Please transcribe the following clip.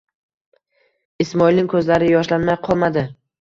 Ismoilning ko'zlari yoshlanmay qolmadi.